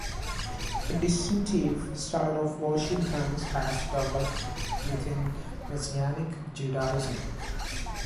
A distinctive style of worship dance has developed within Messianic Judaism.